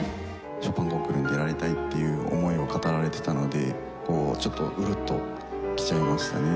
ショパンコンクールに出られたいっていう思いを語られてたのでちょっとうるっときちゃいましたね。